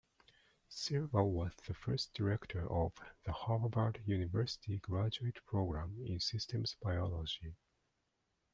Silver was the first Director of the Harvard University Graduate Program in Systems Biology.